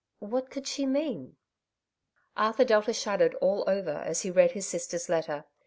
What could she mean ?^^ Arthur Delta shuddered all over as he read his sister's letter.